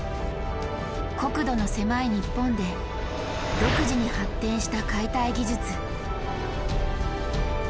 国土の狭い日本で独自に発展した解体技術。